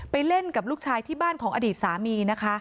เล่นกับลูกชายที่บ้านของอดีตสามีนะคะ